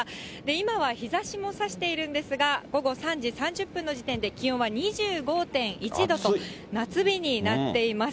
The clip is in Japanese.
今は日ざしもさしているんですが、午後３時３０分の時点で、気温は２５．１度と、夏日になっています。